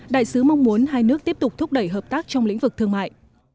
đại sứ mong muốn hai nước tiếp tục thúc đẩy hợp tác trong lĩnh vực thương mại